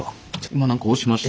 今何か押しました？